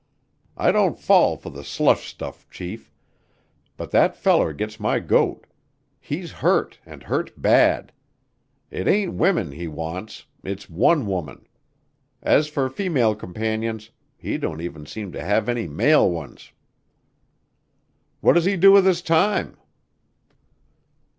I don't fall for the slush stuff, Chief, but that feller gets my goat. He's hurt and hurt bad. It ain't women he wants it's one woman. As for female companions he don't even seem to have any male ones." "What does he do with his time?"